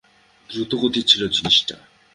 দ্রুতগতির ছিল জিনিসটা।